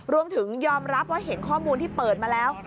ยอมรับว่าเห็นข้อมูลที่เปิดมาแล้ว